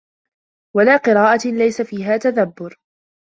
وَلَا قِرَاءَةٍ لَيْسَ فِيهَا تَدَبُّرٌ